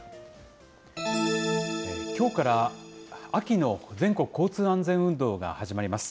きょうから秋の全国交通安全運動が始まります。